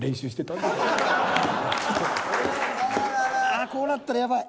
ああこうなったらやばい。